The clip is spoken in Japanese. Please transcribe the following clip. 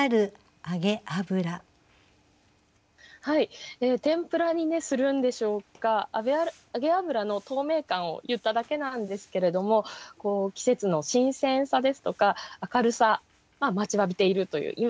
はい天ぷらにするんでしょうか「揚げ油」の透明感を言っただけなんですけれども季節の新鮮さですとか明るさ待ちわびているという。